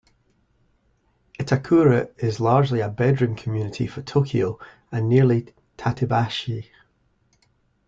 Itakura is largely a bedroom community for Tokyo and nearly Tatebayashi.